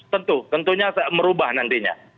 tentu tentunya merubah nantinya